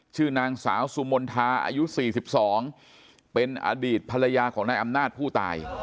ชื่อนางสาวสุมนทาอายุ๔๒เป็นอดีตภรรยาของนายอำนาจผู้ตาย